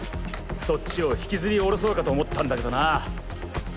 そっちを引きずり下ろそうかと思ったんだけどな。